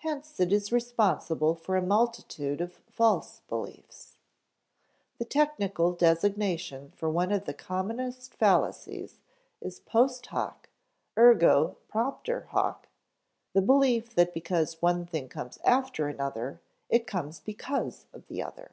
Hence it is responsible for a multitude of false beliefs. The technical designation for one of the commonest fallacies is post hoc, ergo propter hoc; the belief that because one thing comes after another, it comes because of the other.